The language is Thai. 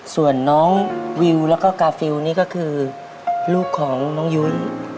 ส่วนน้องวิวแล้วก็กาฟิลนี่ก็คือลูกของน้องยุ้ย